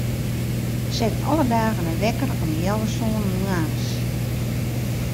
Set alle dagen in wekker om healwei sânen moarns.